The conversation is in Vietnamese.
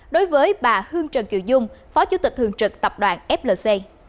đối với bà hương trần kiều dung phó chủ tịch thường trực tập đoàn flc